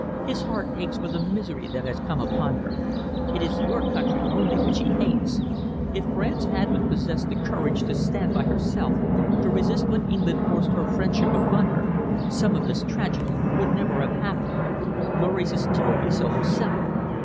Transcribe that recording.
His heart aches for the misery that has come upon her. It is your country only which he hates. If France had but possessed the courage to stand by herself, to resist when England forced her friendship upon her, none of this tragedy would ever have happened. Maurice has told me so himself.